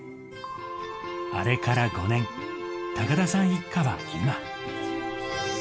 あれから５年、高田さん一家は今。